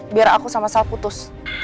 biar aku sama sama putus